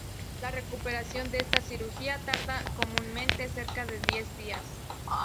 La recuperación de esta cirugía tarda comúnmente cerca de diez días.